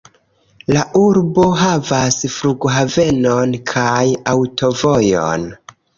La urbo havas flughavenon kaj aŭtovojon.